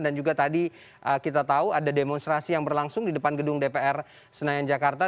dan juga tadi kita tahu ada demonstrasi yang berlangsung di depan gedung dpr senayan jakarta